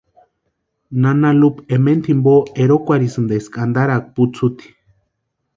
Nana Lupa ementa jimpo erokwarhisïnti eska antaraaka putsuti.